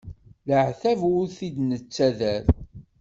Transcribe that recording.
Leɛtab ur t-id-nettader.